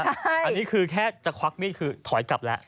อันนี้คือแค่จะควักมีดคือถอยกลับแล้ว